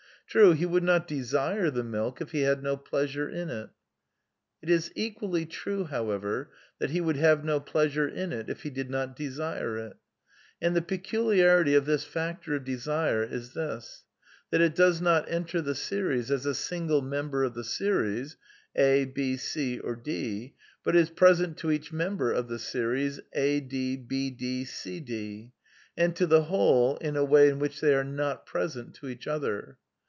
True, he would not desire the milk if he had no pleasure in it. It is equally true, however, that he would have no pleasure in it if he did not desire it. And the pe culiarity of this factor of desire is this: that it does not enter the series as a single member of the series (a^, h\ <fj d'), but is present to each member of the series, (a'i', Vd\ cfdf), and to the whole, in a way in which they are not present to each other.